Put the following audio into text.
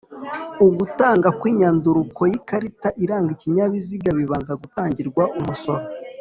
Ugutangwa kw'inyandukuro y'ikarita iranga ikinyabiziga bibanza gutangirwa umusoro